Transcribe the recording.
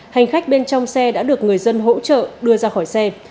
hành khách bên trong xe đã được người dân hỗ trợ đưa ra khỏi xe